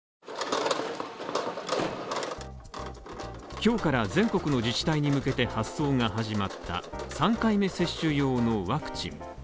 今日から全国の自治体に向けて発送が始まった３回目接種用のワクチン。